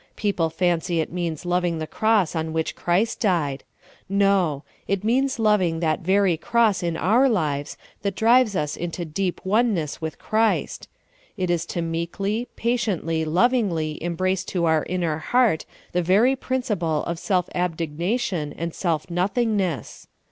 People fancy it means loving the cross on which Christ died. No ; it means loving that very cross in our lives that drives us into deep oneness with Christ ; it is to meekly, patiently, lovingly embrace to our inner heart the very principle of self abnegation and self nothingness.